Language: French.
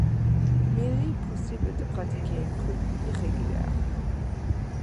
Mais il est possible de pratiquer une coupe irrégulière.